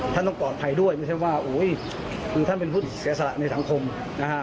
ท่านต้องปลอดภัยด้วยไม่ใช่ว่าโอ้ยท่านเป็นพระศาสะในสังคมนะฮะ